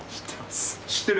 知ってる？